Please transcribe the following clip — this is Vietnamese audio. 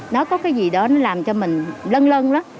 nó có cái gì đó nó làm cho mình lân lân đó